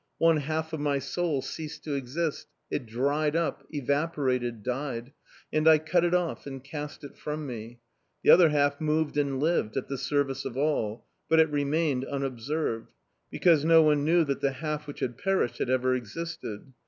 One half of my soul ceased to exist; it dried up, evaporated, died, and I cut it off and cast it from me. The other half moved and lived at the service of all; but it remained unobserved, because no one knew that the half which had perished had ever existed.